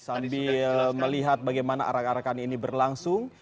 sambil melihat bagaimana arah arahkan ini berlangsung